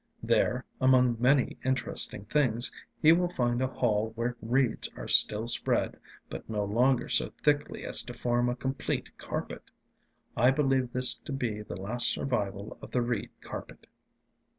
There, among many interesting things, he will find a hall where reeds are still spread, but no longer so thickly as to form a complete carpet. I believe this to be the last survival of the reed carpet.